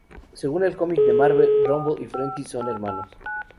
Según el cómic de Marvel, Rumble y Frenzy son hermanos.